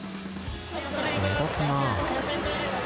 目立つなぁ。